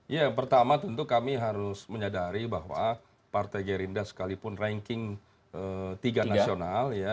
ya pertama tentu kami harus menyadari bahwa partai gerindra sekalipun ranking tiga nasional ya